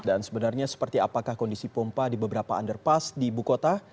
dan sebenarnya seperti apakah kondisi pompa di beberapa underpass di ibu kota